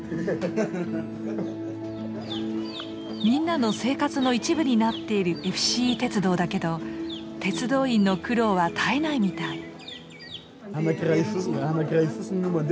みんなの生活の一部になっているＦＣＥ鉄道だけど鉄道員の苦労は絶えないみたい。